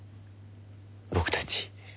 僕たち。